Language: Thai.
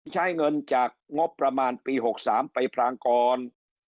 ใช้เงินจากงบประมาณปี๖๓ไปพรางกร